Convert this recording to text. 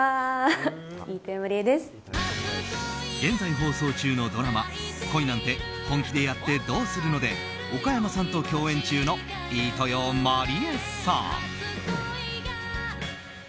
現在放送中のドラマ「恋なんて、本気でやってどうするの？」で岡山さんと共演中の飯豊まりえさん。